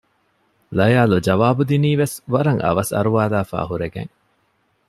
ލަޔާލު ޖަވާބުދިނީވެސް ވަރަށް އަވަސް އަރުވާލާފައި ހުރެގެނެން